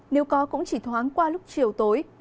nếu có cũng chỉ thoáng qua lúc chiều tối